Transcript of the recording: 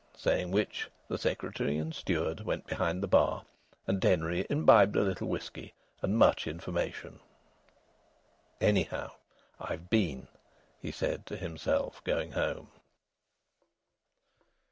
Saying which, the Secretary and Steward went behind the bar, and Denry imbibed a little whisky and much information. "Anyhow, I've been!" he said to himself, going home.